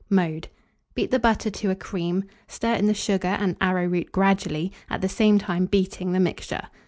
Mode. Beat the butter to a cream; stir in the sugar and arrowroot gradually, at the same time beating the mixture.